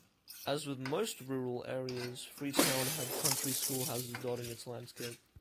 As with most rural areas, Freetown had country schoolhouses dotting its landscape.